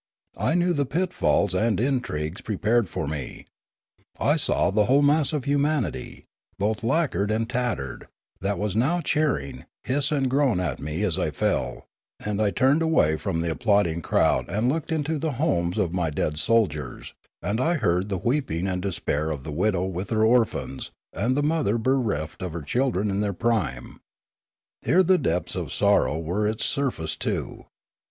I knew the pitfalls and intrigues pre pared for me; I saw the whole mass of humanity, both lacquered and tattered, that was now cheering, hiss and groan at me as I fell ; and I turned away from the ap plauding crowd and looked into the homes of my dead soldiers, and I heard the weeping and despair of the widow with her orphans and the mother bereft of her children in their prime. Here the depths of sorrow were its surface too.